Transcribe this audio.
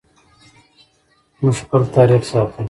موږ خپل تاریخ ساتو